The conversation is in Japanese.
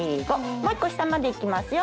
もう１個下まで行きますよ。